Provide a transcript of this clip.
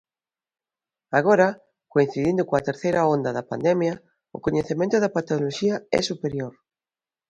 Agora, coincidindo coa terceira onda da pandemia, o coñecemento da patoloxía é superior.